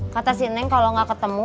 kata si neng kalau gak ketemu